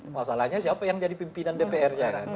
masalahnya siapa yang jadi pimpinan dpr nya kan